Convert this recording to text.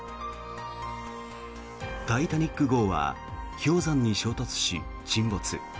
「タイタニック号」は氷山に衝突し、沈没。